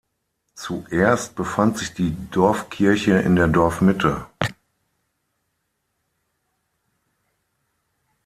Zuerst befand sich die Dorfkirche in der Dorfmitte.